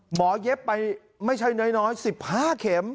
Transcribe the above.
เย็บไปไม่ใช่น้อย๑๕เข็ม